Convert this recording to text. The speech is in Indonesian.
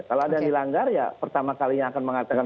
kalau ada yang dilanggar ya pertama kalinya akan mengatakan